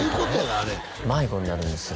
あれ迷子になるんですよ